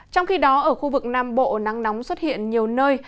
trong khi đó ở khu vực nam bộ nắng nóng xuất hiện nhiều nơi